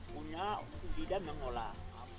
punya tidak mengolah